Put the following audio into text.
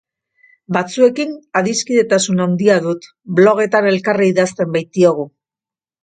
Batzuekin adiskidetasun handia dut, blogetan elkarri idazten baitiogu.